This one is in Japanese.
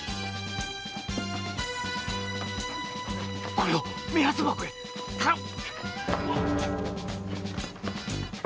これを目安箱へ頼む！